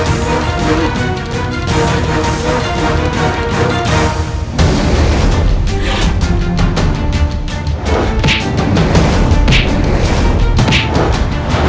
menurutmu itu bukan sekali banyak itu shoji